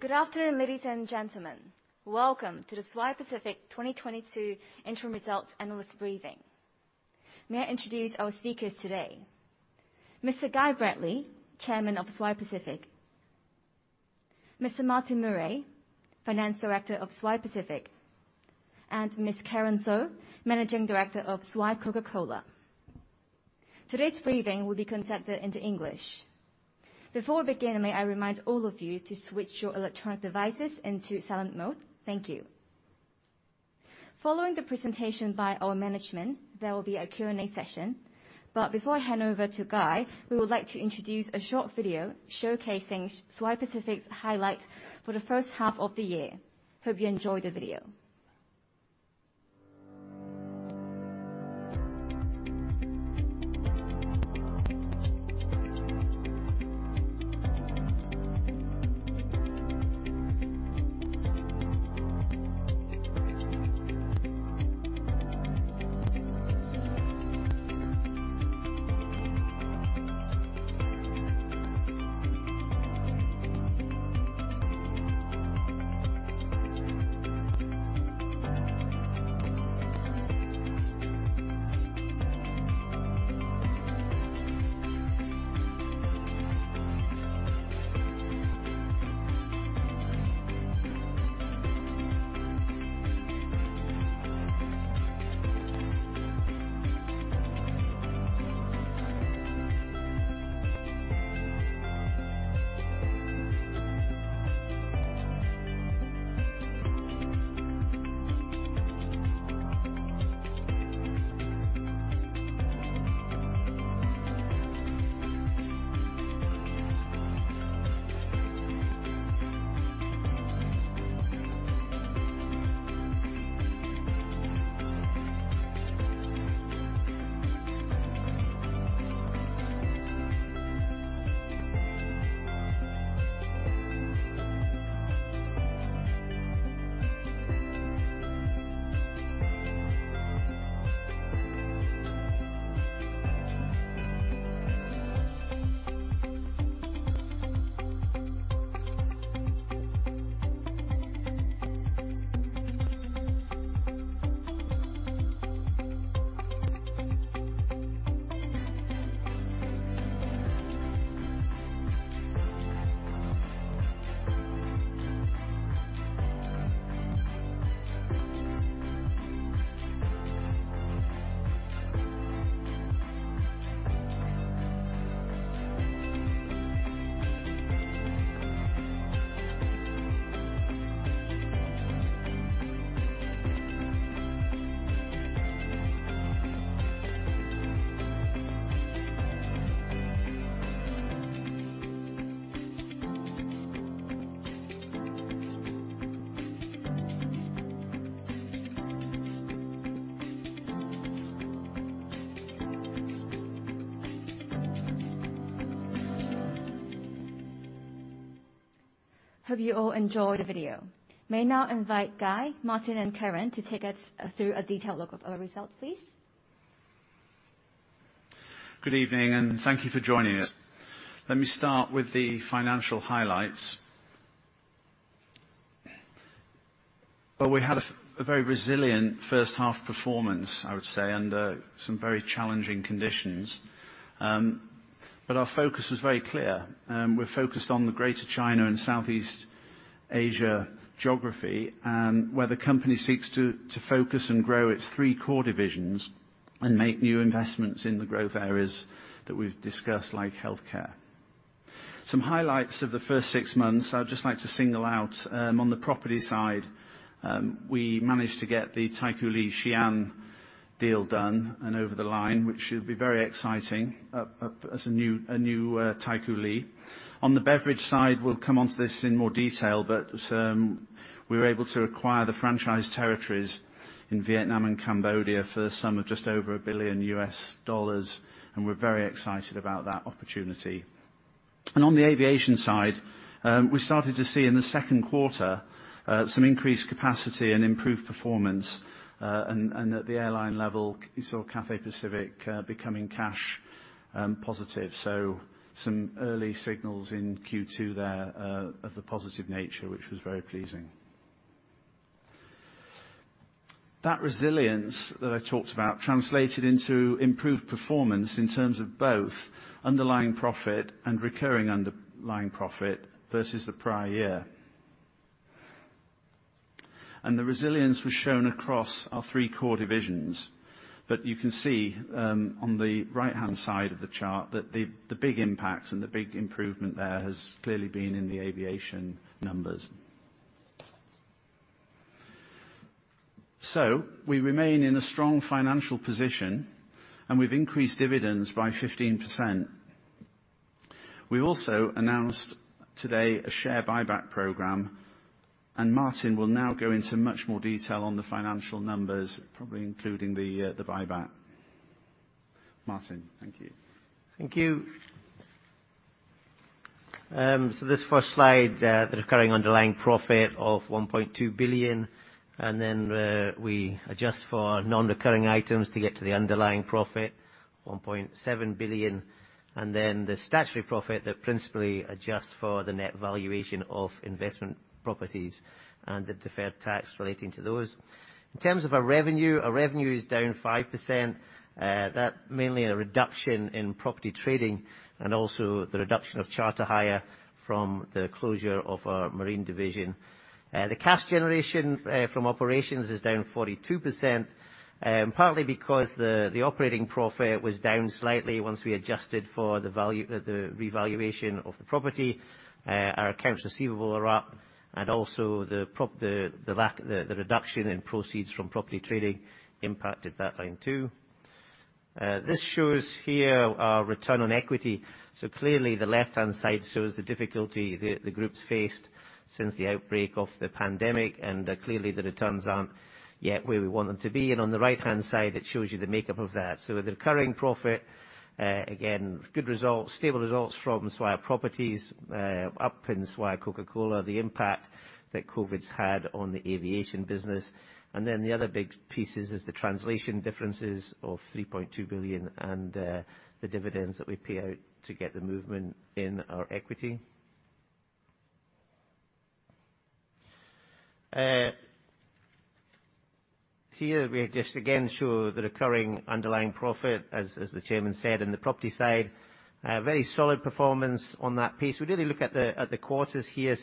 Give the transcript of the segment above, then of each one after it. Good afternoon, ladies and gentlemen. Welcome to the Swire Pacific 2022 Interim Results Analyst Briefing. May I introduce our speakers today. Mr. Guy Bradley, Chairman of Swire Pacific, Mr. Martin Murray, Finance Director of Swire Pacific, and Ms. Karen So, Managing Director of Swire Coca-Cola. Today's briefing will be interpreted into English. Before we begin, may I remind all of you to switch your electronic devices into silent mode. Thank you. Following the presentation by our management, there will be a Q&A session. Before I hand over to Guy, we would like to introduce a short video showcasing Swire Pacific's highlights for the first half of the year. Hope you enjoy the video. Hope you all enjoyed the video. May I now invite Guy, Martin, and Karen to take us through a detailed look of our results, please. Good evening, and thank you for joining us. Let me start with the financial highlights. Well, we had a very resilient 1st half performance, I would say, under some very challenging conditions. Our focus was very clear. We're focused on the Greater China and Southeast Asia geography, and where the company seeks to focus and grow its three core divisions and make new investments in the growth areas that we've discussed, like healthcare. Some highlights of the first six months, I would just like to single out, on the property side, we managed to get the Taikoo Li Xi'an deal done and over the line, which should be very exciting as a new Taikoo Li. On the beverage side, we'll come onto this in more detail, but we were able to acquire the franchise territories in Vietnam and Cambodia for the sum of just over $1 billion, and we're very excited about that opportunity. On the aviation side, we started to see in the 2nd quarter some increased capacity and improved performance, and at the airline level, you saw Cathay Pacific becoming cash positive. Some early signals in Q2 there of the positive nature which was very pleasing. That resilience that I talked about translated into improved performance in terms of both underlying profit and recurring underlying profit versus the prior year. The resilience was shown across our three core divisions. You can see on the right-hand side of the chart that the big impacts and the big improvement there has clearly been in the aviation numbers. We remain in a strong financial position, and we've increased dividends by 15%. We also announced today a share buyback program, and Martin will now go into much more detail on the financial numbers, probably including the buyback. Martin, thank you. Thank you. This first slide, the recurring underlying profit of 1.2 billion, and then we adjust for nonrecurring items to get to the underlying profit, 1.7 billion. The statutory profit that principally adjusts for the net valuation of investment properties and the deferred tax relating to those. In terms of our revenue, our revenue is down 5%. That mainly a reduction in property trading and also the reduction of charter hire from the closure of our marine division. The cash generation from operations is down 42%, partly because the operating profit was down slightly once we adjusted for the revaluation of the property. Our accounts receivable are up, and also the reduction in proceeds from property trading impacted that line, too. This shows here our return on equity. Clearly the left-hand side shows the difficulty the group's faced since the outbreak of the pandemic, and clearly the returns aren't yet where we want them to be. On the right-hand side, it shows you the makeup of that. The recurring profit, again, good results, stable results from Swire Properties, up in Swire Coca-Cola, the impact that COVID's had on the aviation business. Then the other big pieces is the translation differences of 3.2 billion and the dividends that we pay out to get the movement in our equity. Here we just again show the recurring underlying profit, as the chairman said, in the property side. Very solid performance on that piece. We really look at the quarters here.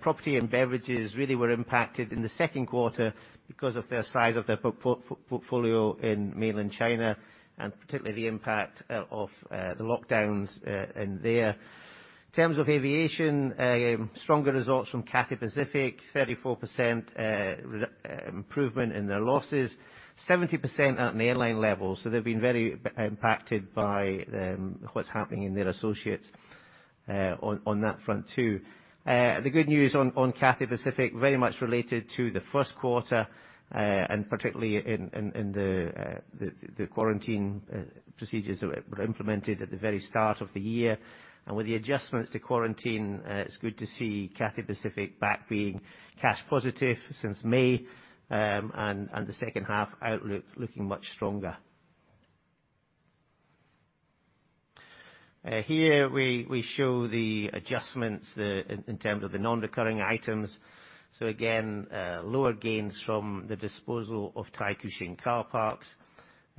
Property and beverages really were impacted in the 2nd quarter because of the size of the portfolio in mainland China, and particularly the impact of the lockdowns in there. In terms of aviation, stronger results from Cathay Pacific, 34% improvement in their losses, 70% at an airline level. They've been very impacted by what's happening in their associates, on that front too. The good news on Cathay Pacific very much related to the 1st quarter, and particularly in the quarantine procedures that were implemented at the very start of the year. With the adjustments to quarantine, it's good to see Cathay Pacific back being cash positive since May, and the 2nd half outlook looking much stronger. Here we show the adjustments in terms of the non-recurring items. Again, lower gains from the disposal of Taikoo Shing Car Parks.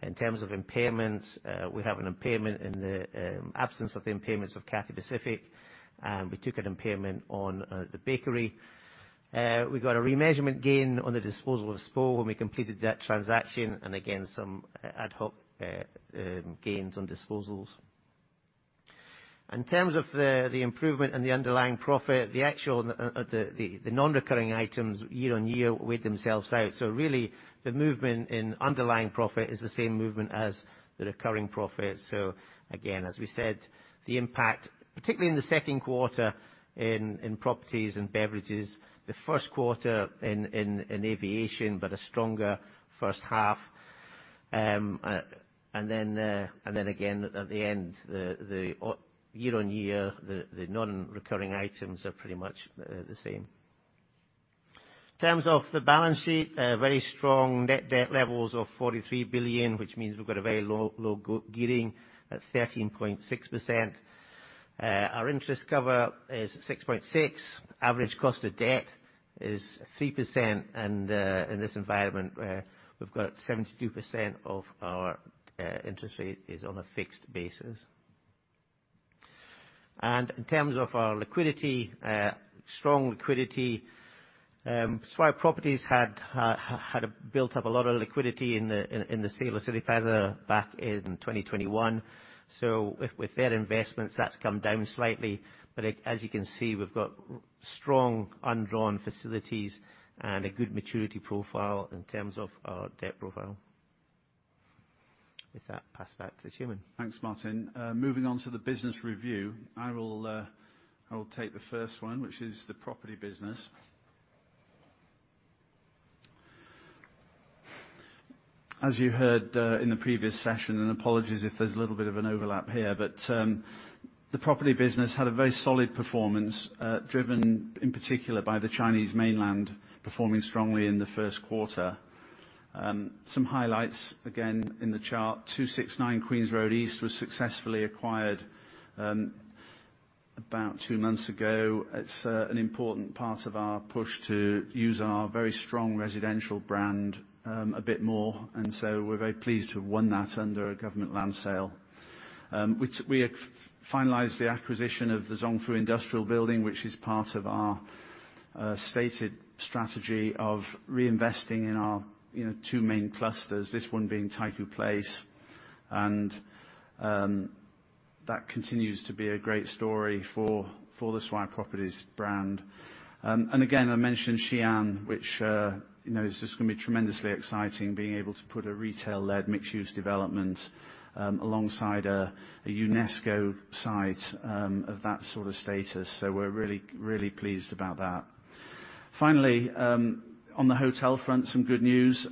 In terms of impairments, we have an impairment in the absence of the impairments of Cathay Pacific, and we took an impairment on the bakery. We got a remeasurement gain on the disposal of SPO when we completed that transaction, and again, some ad hoc gains on disposals. In terms of the improvement in the underlying profit, the actual, the non-recurring items year-on-year weighed themselves out. Really the movement in underlying profit is the same movement as the recurring profit. Again, as we said, the impact, particularly in the 2nd quarter in properties and beverages, the 1st quarter in aviation, but a stronger 1st half, and then again at the end, or year-on-year, the nonrecurring items are pretty much the same. In terms of the balance sheet, very strong net debt levels of 43 billion, which means we've got a very low gearing at 13.6%. Our interest cover is 6.6%. Average cost of debt is 3%, and in this environment, we've got 72% of our interest rate on a fixed basis. In terms of our liquidity, strong liquidity. Swire Properties had built up a lot of liquidity in the sale of Cityplaza back in 2021. with their investments, that's come down slightly. As you can see, we've got our strong undrawn facilities and a good maturity profile in terms of our debt profile. With that, pass back to the chairman. Thanks, Martin. Moving on to the business review. I will take the first one, which is the property business. As you heard in the previous session, and apologies if there's a little bit of an overlap here, but the property business had a very solid performance, driven in particular by the Chinese mainland performing strongly in the 1st quarter. Some highlights again in the chart. 269 Queens Road East was successfully acquired about two months ago. It's an important part of our push to use our very strong residential brand a bit more. We're very pleased to have won that under a government land sale. Which we finalized the acquisition of the Zung Fu Industrial Building, which is part of our stated strategy of reinvesting in our, you know, two main clusters, this one being Taikoo Place. That continues to be a great story for the Swire Properties brand. Again, I mentioned Xi'an, which you know is just gonna be tremendously exciting, being able to put a retail-led mixed-use development alongside a UNESCO site of that sort of status. We're really pleased about that. Finally, on the hotel front, some good news.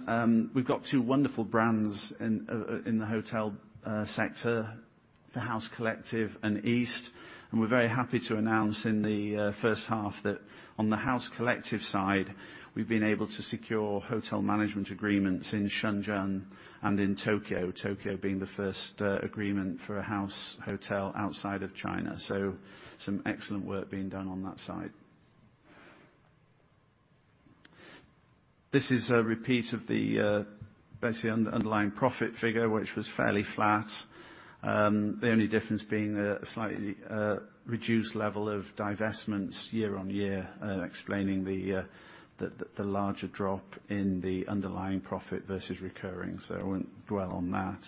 We've got two wonderful brands in the hotel sector, The House Collective and East. We're very happy to announce in the 1st half that on the House Collective side, we've been able to secure hotel management agreements in Shenzhen and in Tokyo. Tokyo being the first agreement for a House hotel outside of China. Some excellent work being done on that side. This is a repeat of the basically underlying profit figure, which was fairly flat. The only difference being a slightly reduced level of divestments year-on-year, explaining the larger drop in the underlying profit versus recurring. I won't dwell on that.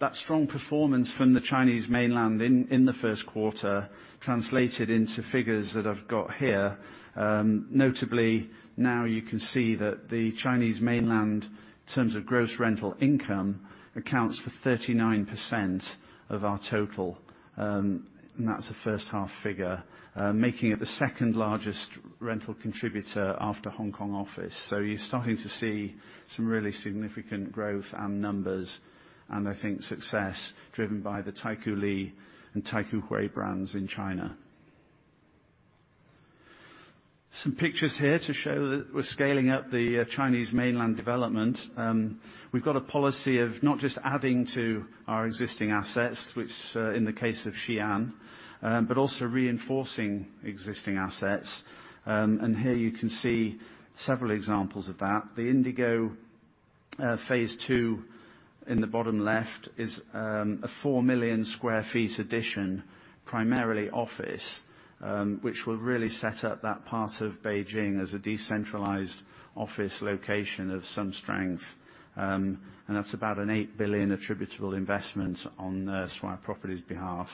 That strong performance from the Chinese mainland in the 1st quarter translated into figures that I've got here. Notably now you can see that the Chinese mainland, in terms of gross rental income, accounts for 39% of our total, and that's the 1st half figure. Making it the second-largest rental contributor after Hong Kong office. You're starting to see some really significant growth and numbers, and I think success driven by the Taikoo Li and Taikoo Hui brands in China. Some pictures here to show that we're scaling up the Chinese mainland development. We've got a policy of not just adding to our existing assets, which in the case of Xi'an, but also reinforcing existing assets. Here you can see several examples of that. The INDIGO phase II in the bottom left is a four million square feet addition, primarily office, which will really set up that part of Beijing as a decentralized office location of some strength. That's about an 8 billion attributable investment on Swire Properties' behalf.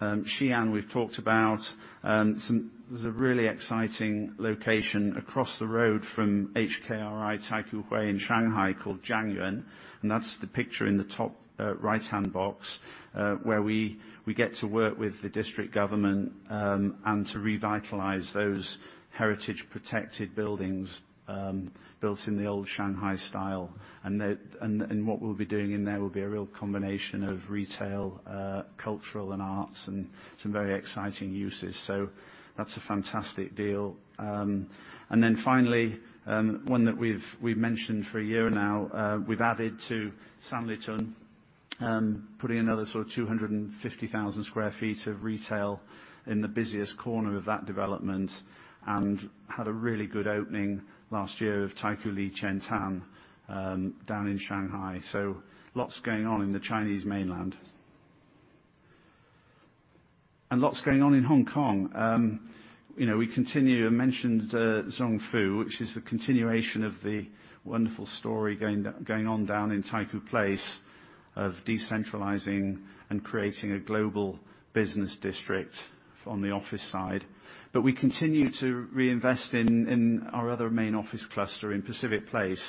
Xi'an, we've talked about. Some. There's a really exciting location across the road from HKRI Taikoo Hui in Shanghai called Zhangyuan, and that's the picture in the top, right-hand box. Where we get to work with the district government, and to revitalize those heritage protected buildings, built in the old Shanghai style. What we'll be doing in there will be a real combination of retail, cultural and arts and some very exciting uses. That's a fantastic deal. Then finally, one that we've mentioned for a year now, we've added to Sanlitun, putting another sort of 250,000 sq ft of retail in the busiest corner of that development. Had a really good opening last year of Taikoo Li Qiantan, down in Shanghai. Lots going on in the Chinese mainland. Lots going on in Hong Kong. You know, we continue. I mentioned Zung Fu, which is a continuation of the wonderful story going on down in Taikoo Place of decentralizing and creating a global business district on the office side. We continue to reinvest in our other main office cluster in Pacific Place.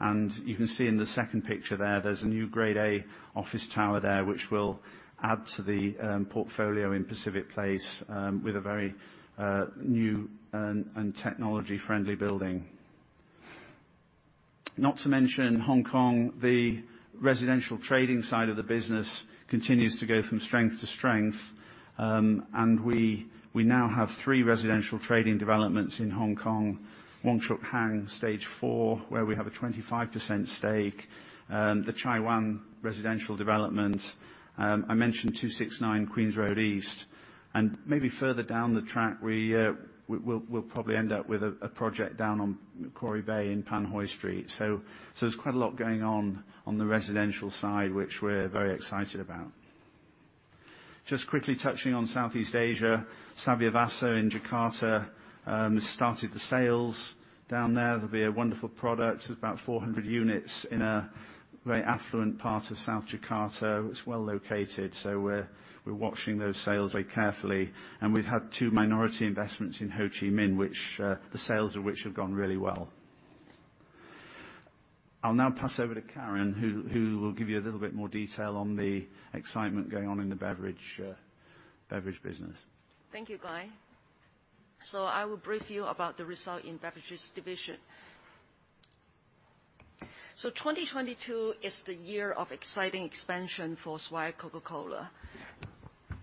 You can see in the second picture there's a new grade A office tower there, which will add to the portfolio in Pacific Place with a very new and technology-friendly building. Not to mention Hong Kong, the residential trading side of the business continues to go from strength to strength. We now have three residential trading developments in Hong Kong. Wong Chuk Hang, stage 4, where we have a 25% stake, the Chai Wan residential development, I mentioned 269 Queens Road East. Maybe further down the track, we'll probably end up with a project down on Quarry Bay in Pan Hoi Street. There's quite a lot going on on the residential side, which we're very excited about. Just quickly touching on Southeast Asia. Savyavasa in Jakarta has started the sales down there. There'll be a wonderful product. It's about 400 units in a very affluent part of South Jakarta. It's well-located, so we're watching those sales very carefully. We've had two minority investments in Ho Chi Minh, which the sales of which have gone really well. I'll now pass over to Karen, who will give you a little bit more detail on the excitement going on in the beverage business. Thank you, Guy. I will brief you about the result in beverages division. 2022 is the year of exciting expansion for Swire Coca-Cola. Thank you.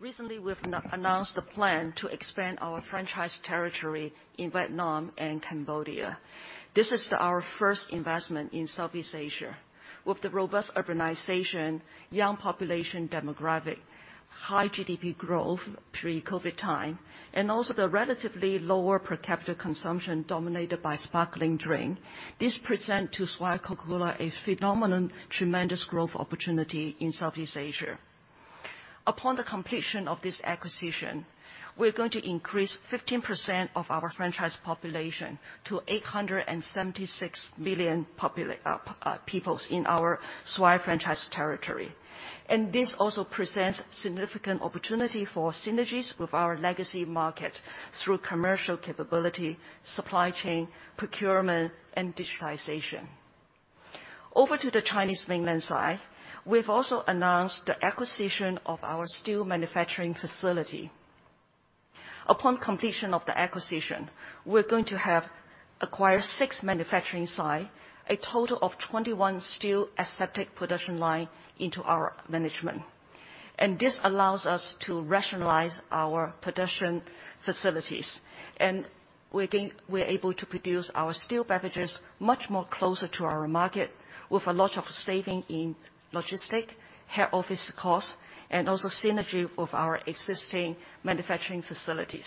Recently, we've announced the plan to expand our franchise territory in Vietnam and Cambodia. This is our first investment in Southeast Asia. With the robust urbanization, young population demographic, high GDP growth pre-COVID-19 time, and also the relatively lower per capita consumption dominated by sparkling drink, this presents to Swire Coca-Cola a phenomenal, tremendous growth opportunity in Southeast Asia. Upon the completion of this acquisition, we're going to increase 15% of our franchise population to 876 million people in our Swire franchise territory. This also presents significant opportunity for synergies with our legacy market through commercial capability, supply chain, procurement, and digitization. Over to the Chinese mainland side, we've also announced the acquisition of our still manufacturing facility. Upon completion of the acquisition, we're going to have acquired six manufacturing sites, a total of 21 still aseptic production lines into our management. This allows us to rationalize our production facilities. We think we're able to produce our still beverages much closer to our market with a lot of savings in logistics, head office costs, and also synergy with our existing manufacturing facilities.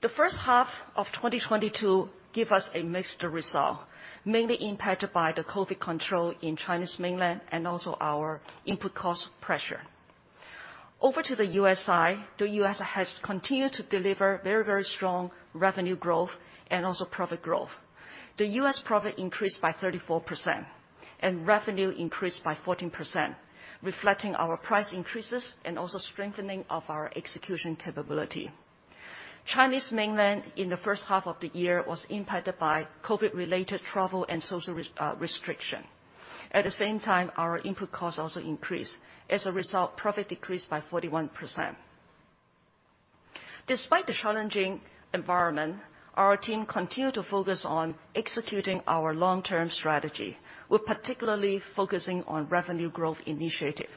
The 1st half of 2022 give us a mixed result, mainly impacted by the COVID-19 control in Chinese mainland and also our input cost pressure. Over to the U.S. side, the U.S. has continued to deliver very, very strong revenue growth and also profit growth. The U.S. profit increased by 34% and revenue increased by 14%, reflecting our price increases and also strengthening of our execution capability. Chinese mainland, in the 1st half of the year, was impacted by COVID-19-related travel and social restriction. At the same time, our input costs also increased. As a result, profit decreased by 41%. Despite the challenging environment, our team continued to focus on executing our long-term strategy. We're particularly focusing on revenue growth initiative,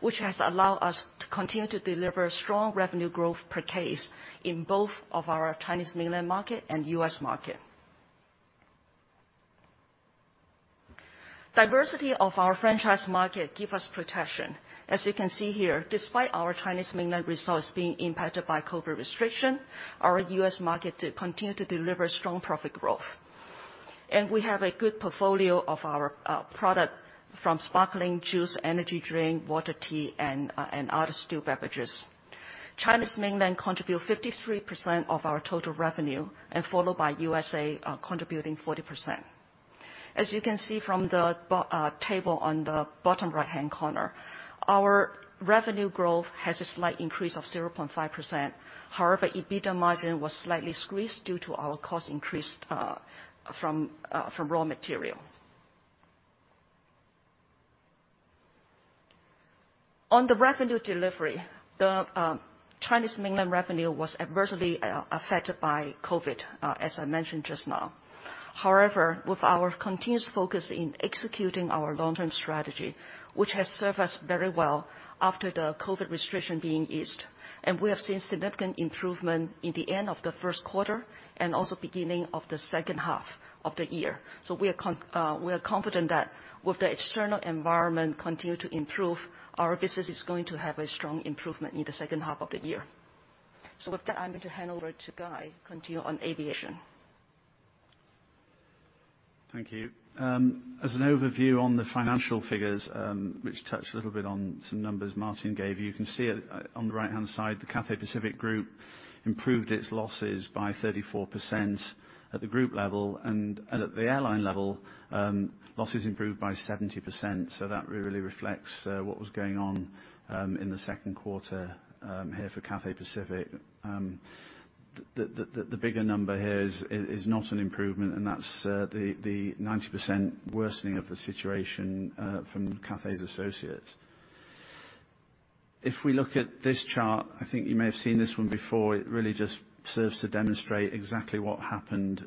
which has allowed us to continue to deliver strong revenue growth per case in both of our Chinese mainland market and U.S. market. Diversity of our franchise market give us protection. As you can see here, despite our Chinese mainland results being impacted by COVID-19 restriction, our U.S. market did continue to deliver strong profit growth. We have a good portfolio of our product from sparkling juice, energy drink, water, tea, and other still beverages. Mainland China contribute 53% of our total revenue and followed by USA contributing 40%. As you can see from the table on the bottom right-hand corner, our revenue growth has a slight increase of 0.5%. However, EBITDA margin was slightly squeezed due to our cost increase from raw material. On the revenue delivery, the Chinese mainland revenue was adversely affected by COVID as I mentioned just now. However, with our continuous focus in executing our long-term strategy, which has served us very well after the COVID restriction being eased, and we have seen significant improvement in the end of the 1st quarter and also beginning of the 2nd half of the year. We are confident that with the external environment continue to improve, our business is going to have a strong improvement in the second half of the year. With that, I'm going to hand over to Guy, continue on aviation. Thank you. As an overview on the financial figures, which touch a little bit on some numbers Martin gave you. You can see it on the right-hand side. The Cathay Pacific Group improved its losses by 34% at the group level. At the airline level, losses improved by 70%. That really reflects what was going on in the second quarter here for Cathay Pacific. The bigger number here is not an improvement, and that's the 90% worsening of the situation from Cathay's associates. If we look at this chart, I think you may have seen this one before. It really just serves to demonstrate exactly what happened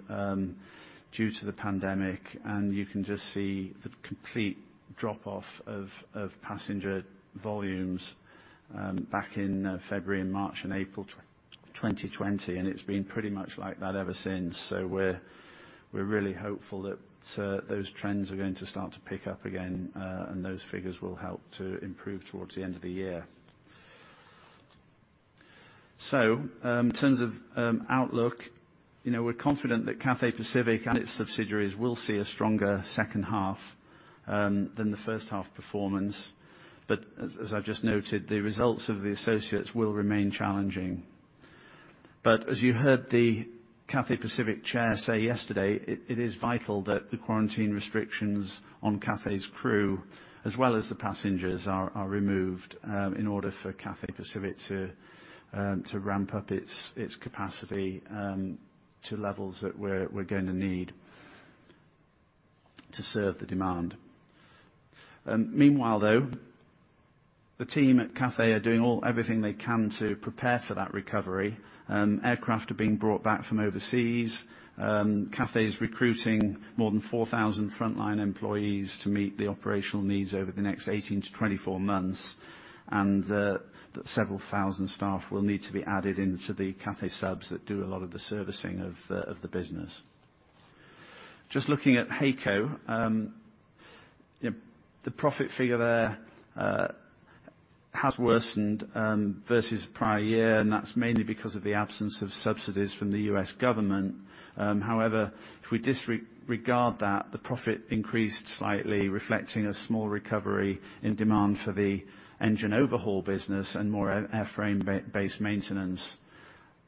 due to the pandemic. You can just see the complete drop-off of passenger volumes back in February and March and April 2020. It's been pretty much like that ever since. We're really hopeful that those trends are going to start to pick up again and those figures will help to improve towards the end of the year. In terms of outlook, you know, we're confident that Cathay Pacific and its subsidiaries will see a stronger 2nd half than the 1st half performance. As I've just noted, the results of the associates will remain challenging. As you heard the Cathay Pacific chair say yesterday, it is vital that the quarantine restrictions on Cathay's crew, as well as the passengers, are removed, in order for Cathay Pacific to ramp up its capacity to levels that we're gonna need to serve the demand. Meanwhile, though, the team at Cathay are doing everything they can to prepare for that recovery. Aircraft are being brought back from overseas. Cathay is recruiting more than 4,000 frontline employees to meet the operational needs over the next 18 months to 24 months. Several thousand staff will need to be added into the Cathay subs that do a lot of the servicing of the business. Just looking at HAECO, you know, the profit figure there has worsened versus prior year, and that's mainly because of the absence of subsidies from the U.S. government. However, if we disregard that, the profit increased slightly, reflecting a small recovery in demand for the engine overhaul business and more airframe based maintenance.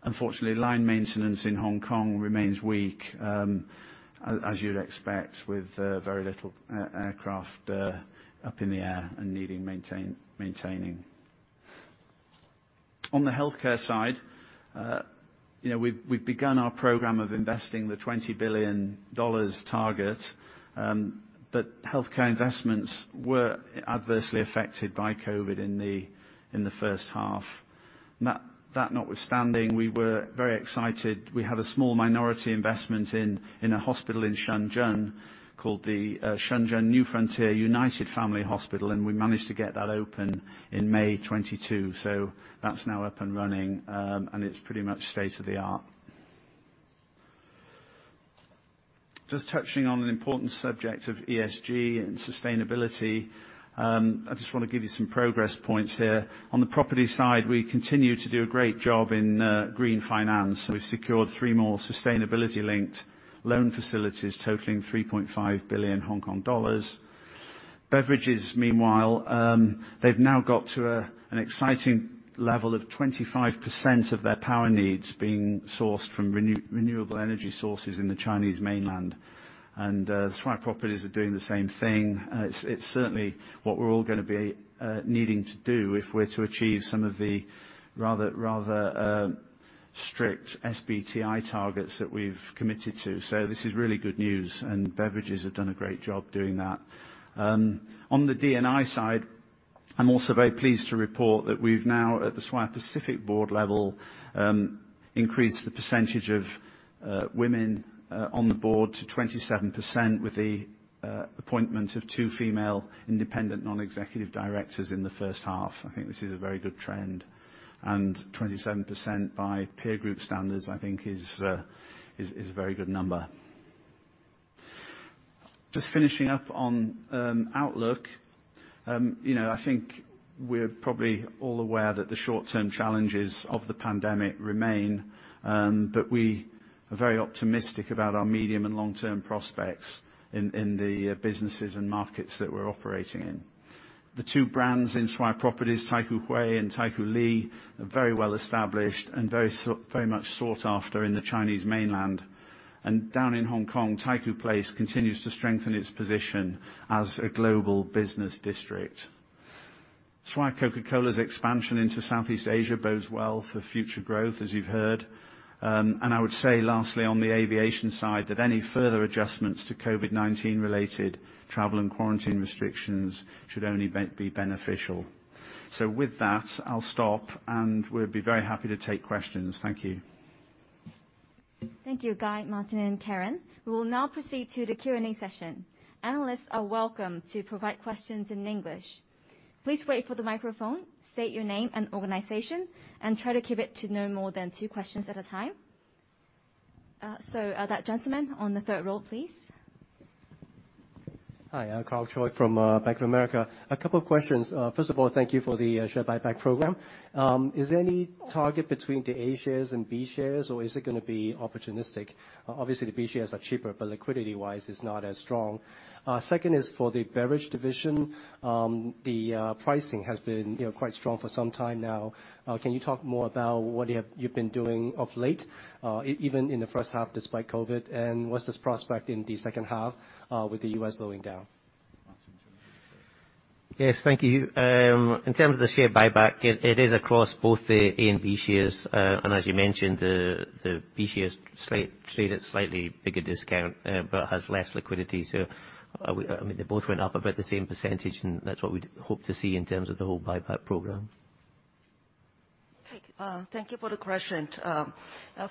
Unfortunately, line maintenance in Hong Kong remains weak, as you'd expect with very little aircraft up in the air and needing maintenance. On the healthcare side, you know, we've begun our program of investing the 20 billion dollars target. Healthcare investments were adversely affected by COVID in the 1st half. That notwithstanding, we were very excited. We had a small minority investment in a hospital in Shenzhen called the Shenzhen New Frontier United Family Hospital, and we managed to get that open in May 2022. That's now up and running, and it's pretty much state-of-the-art. Just touching on an important subject of ESG and sustainability, I just wanna give you some progress points here. On the property side, we continue to do a great job in green finance. We've secured three more sustainability linked loan facilities totaling 3.5 billion Hong Kong dollars. Beverages, meanwhile, they've now got to an exciting level of 25% of their power needs being sourced from renewable energy sources in the Chinese mainland. Swire Properties are doing the same thing. It's certainly what we're all gonna be needing to do if we're to achieve some of the rather strict SBTi targets that we've committed to. This is really good news, and Beverages have done a great job doing that. On the D&I side, I'm also very pleased to report that we've now, at the Swire Pacific board level, increased the percentage of women on the board to 27% with the appointment of two female independent non-executive directors in the 1st half. I think this is a very good trend, and 27% by peer group standards, I think is a very good number. Just finishing up on outlook. You know, I think we're probably all aware that the short-term challenges of the pandemic remain, but we are very optimistic about our medium and long-term prospects in the businesses and markets that we're operating in. The two brands in Swire Properties, Taikoo Hui and Taikoo Li, are very well established and very much sought after in the Chinese mainland. Down in Hong Kong, Taikoo Place continues to strengthen its position as a global business district. Swire Coca-Cola's expansion into Southeast Asia bodes well for future growth, as you've heard. I would say lastly on the aviation side, that any further adjustments to COVID-19 related travel and quarantine restrictions should only be beneficial. With that, I'll stop, and we'll be very happy to take questions. Thank you. Thank you, Guy, Martin, and Karen. We will now proceed to the Q&A session. Analysts are welcome to provide questions in English. Please wait for the microphone, state your name and organization, and try to keep it to no more than two questions at a time. That gentleman on the third row, please. Hi, I'm Karl Choi from Bank of America. A couple of questions. First of all, thank you for the share buyback program. Is there any target between the A shares and B shares, or is it gonna be opportunistic? Obviously, the B shares are cheaper, but liquidity-wise is not as strong. Second is for the beverage division. The pricing has been, you know, quite strong for some time now. Can you talk more about what you have, you've been doing of late, even in the 1st half despite COVID, and what's this prospect in the 2nd half, with the U.S. slowing down? Martin, do you wanna take this? Yes, thank you. In terms of the share buyback, it is across both the A and B shares. As you mentioned, the B shares trade at slightly bigger discount, but has less liquidity. I mean, they both went up about the same percentage, and that's what we'd hope to see in terms of the whole buyback program. Thank you for the question.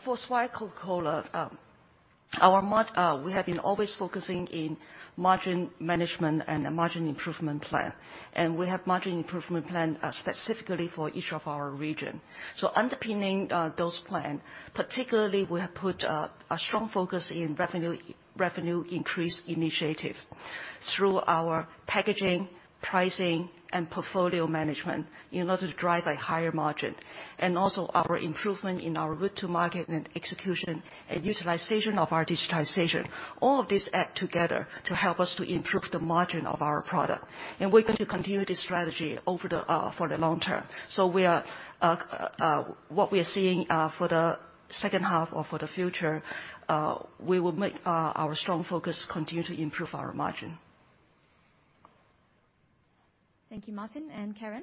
For Swire Coca-Cola, we have been always focusing in margin management and a margin improvement plan. We have margin improvement plan specifically for each of our region. Underpinning those plan, particularly we have put a strong focus in revenue increase initiative through our packaging, pricing, and portfolio management in order to drive a higher margin. Also our improvement in our route to market and execution and utilization of our digitization, all of this add together to help us to improve the margin of our product. We're going to continue this strategy for the long term. What we are seeing for the 2nd half or for the future, we will make our strong focus continue to improve our margin. Thank you, Martin and Karen.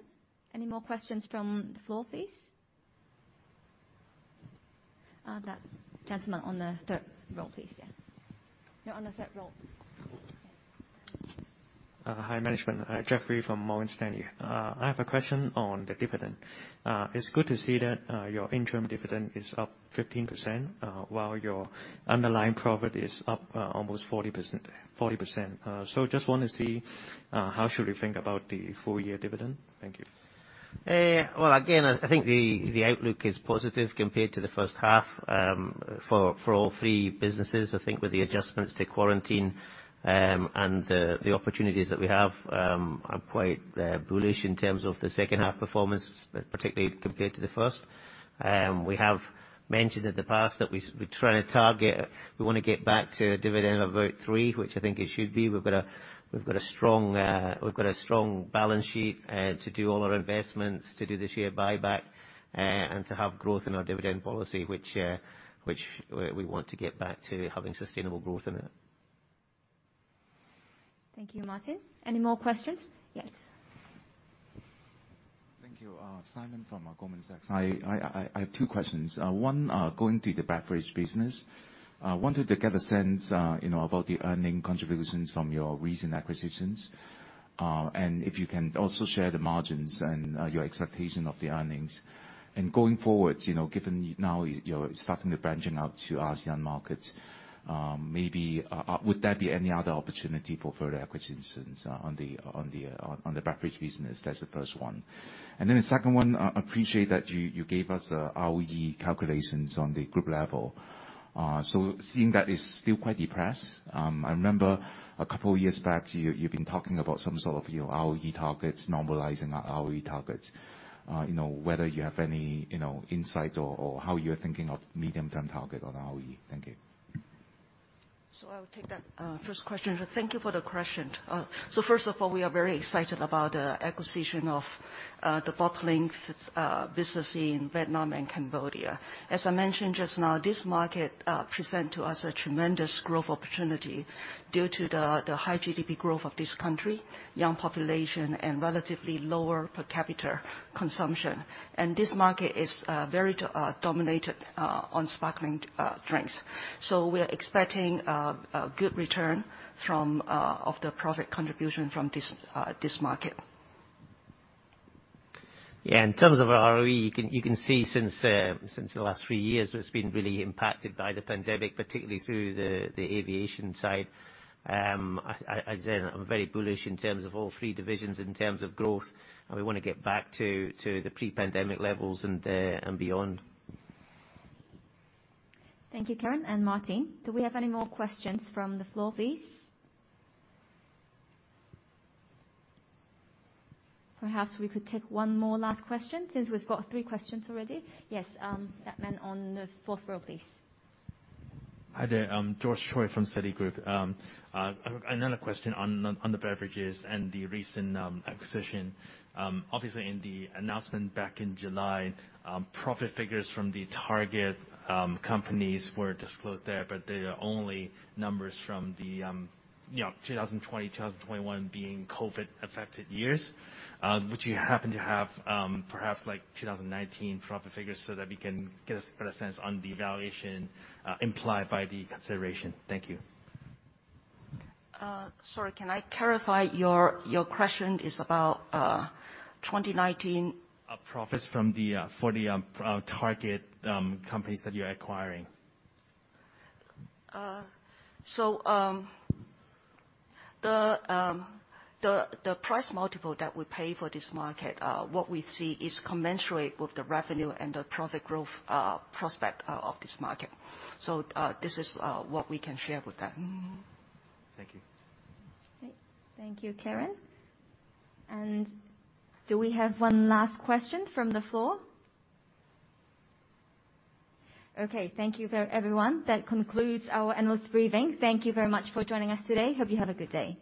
Any more questions from the floor, please? That gentleman on the third row, please. Yeah. No, on the third row. Yeah. Hi, management. Jeffrey from Morgan Stanley. I have a question on the dividend. It's good to see that your interim dividend is up 15%, while your underlying profit is up almost 40%, 40%. Just wanna see how should we think about the full year dividend? Thank you. Well, again, I think the outlook is positive compared to the 1st half, for all three businesses. I think with the adjustments to quarantine, and the opportunities that we have are quite bullish in terms of the 2nd half performance, particularly compared to the 1st half. We have mentioned in the past that we're trying to target, we wanna get back to a dividend of about 3, which I think it should be. We've got a strong balance sheet to do all our investments, to do the share buyback, and to have growth in our dividend policy, which we want to get back to having sustainable growth in it. Thank you, Martin. Any more questions? Yes. Thank you. Simon from Goldman Sachs. I have two questions. One, going to the beverage business. Wanted to get a sense, you know, about the earnings contributions from your recent acquisitions. And if you can also share the margins and your expectation of the earnings. Going forward, you know, given now you're starting the branching out to ASEAN markets, maybe would there be any other opportunity for further acquisitions on the beverage business? That's the first one. The second one, appreciate that you gave us the ROE calculations on the group level. Seeing that is still quite depressed, I remember a couple years back you've been talking about some sort of, you know, ROE targets, normalizing ROE targets. You know, whether you have any, you know, insight or how you're thinking of medium-term target on ROE? Thank you. I will take that first question. Thank you for the question. First of all, we are very excited about acquisition of the bottling business in Vietnam and Cambodia. As I mentioned just now, this market present to us a tremendous growth opportunity due to the high GDP growth of this country, young population, and relatively lower per capita consumption. This market is very dominated on sparkling drinks. We're expecting a good return from the profit contribution from this market. Yeah, in terms of our ROE, you can see since the last three years it's been really impacted by the pandemic, particularly through the aviation side. I said I'm very bullish in terms of all three divisions in terms of growth, and we wanna get back to the pre-pandemic levels and beyond. Thank you, Karen and Martin. Do we have any more questions from the floor, please? Perhaps we could take one more last question since we've got three questions already. Yes, that man on the fourth row, please. Hi there, I'm George Choi from Citigroup. Another question on the beverages and the recent acquisition. Obviously in the announcement back in July, profit figures from the target companies were disclosed there, but they are only numbers from the, you know, 2020, 2021 being COVID affected years. Would you happen to have perhaps like 2019 profit figures so that we can get a better sense on the valuation implied by the consideration? Thank you. Sorry, can I clarify? Your question is about 2019. Profits for the target companies that you're acquiring. The price multiple that we pay for this market, what we see, is commensurate with the revenue and the profit growth prospect of this market. This is what we can share with that. Thank you. Okay. Thank you, Karen. Do we have one last question from the floor? Okay, thank you for everyone. That concludes our analyst briefing. Thank you very much for joining us today. Hope you have a good day.